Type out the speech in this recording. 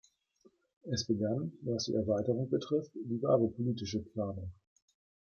Es begann, was die Erweiterung betrifft, die wahre politische Planung.